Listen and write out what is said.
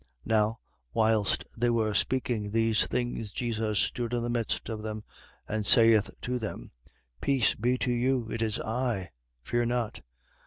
24:36. Now, whilst they were speaking these things, Jesus stood in the midst of them and saith to them: Peace be to you. It is I: Fear not.